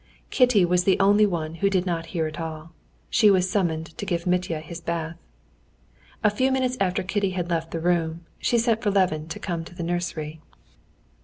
Kitty was the only one who did not hear it all—she was summoned to give Mitya his bath. A few minutes after Kitty had left the room she sent for Levin to come to the nursery.